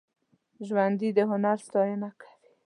ژوندي د هنر ستاینه کوي